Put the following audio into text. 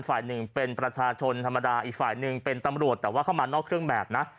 ฝ่ายหนึ่งเป็นประชาชนธรรมดาอีกฝ่ายหนึ่งเป็นตำรวจแต่ว่าเข้ามานอกเครื่องแบบนะ